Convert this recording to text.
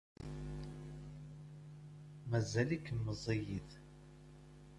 Mazal-iken meẓẓiyit.